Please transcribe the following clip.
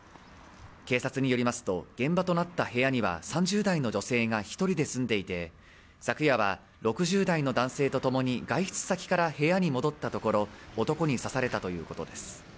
警察によりますと、現場となった部屋には３０代の女性が１人で住んでいて、昨夜は６０代の男性とともに外出先から部屋に戻ったところ男に刺されたということです。